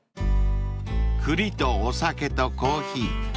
［栗とお酒とコーヒー］